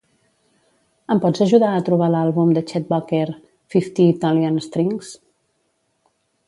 Em pots ajudar a trobar l'àlbum de Chet Baker "Fifty Italian Strings"?